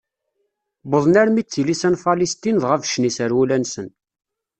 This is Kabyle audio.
Wwḍen armi d tilisa n Falesṭin dɣa beccen iserwula-nsen.